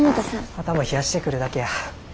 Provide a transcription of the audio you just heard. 頭冷やしてくるだけや。